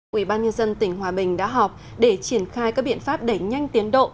quỹ ban nhân dân tỉnh hòa bình đã họp để triển khai các biện pháp đẩy nhanh tiến độ